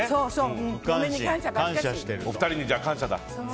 お二人に感謝だ。